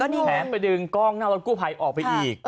แถมไปดึงกล้องหน้ารถกู้ภัยออกไปอีก